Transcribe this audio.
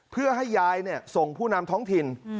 เพื่อให้ยายส่งผู้นำท้องถิ่น